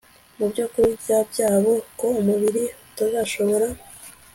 mu byokurya byabo ko umubiri utazashobora